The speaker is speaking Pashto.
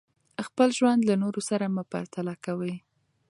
خپل ژوند له نورو سره مه پرتله کوئ.